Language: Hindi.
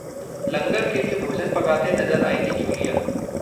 लंगर के लिए भोजन पकाते नजर आएंगी जूलिया